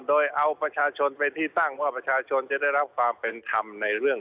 โดยเอาประชาชนเป็นที่ตั้งว่าประชาชนจะได้รับความเป็นธรรมในเรื่อง